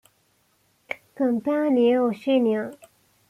Compare Near Oceania.